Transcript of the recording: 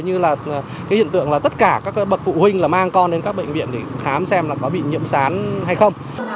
như là cái hiện tượng là tất cả các bậc phụ huynh là mang con đến các bệnh viện để khám xem là có bị nhiễm sán hay không